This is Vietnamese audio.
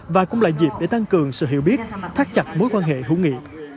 và cũng là dịp để tăng cường sự hiểu biết thắt chặt mối quan hệ hữu nghị